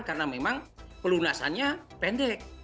karena memang pelunasannya pendek